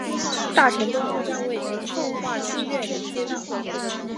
大成东路站位于奉化区岳林街道。